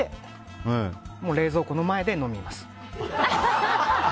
もう冷蔵庫の前で飲みます。